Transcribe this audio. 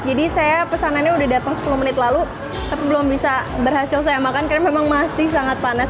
jadi saya pesanannya udah datang sepuluh menit lalu tapi belum bisa berhasil saya makan karena memang masih sangat panas